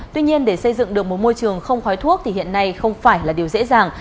tuy nhiên để xây dựng được một môi trường không khói thuốc thì hiện nay không phải là điều dễ dàng